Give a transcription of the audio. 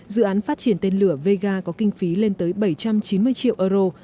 dự án phát triển tên lửa vega có kinh phí lên tới bảy trăm chín mươi triệu euro